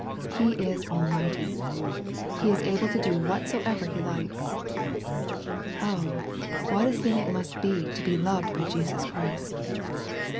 He is Almighty : He is able to do an3rthing whatsoever He likes. Oh, what a thing it must be to be loved by Jesus Christ